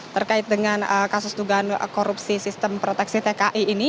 terkait dengan kasus dugaan korupsi sistem proteksi tki ini